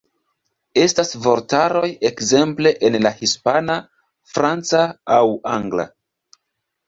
Estas vortaroj ekzemple en la Hispana, Franca aŭ Angla.